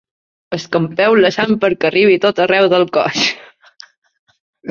Escampeu la sang perquè arribi a tot arreu del cos.